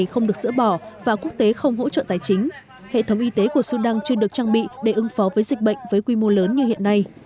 không được dỡ bỏ và quốc tế không hỗ trợ tài chính hệ thống y tế của sudan chưa được trang bị để ứng phó với dịch bệnh với quy mô lớn như hiện nay